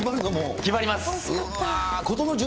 決まります。